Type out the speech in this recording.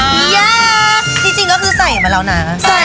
เย้ที่จริงไปก็ใส่เฟลาหนา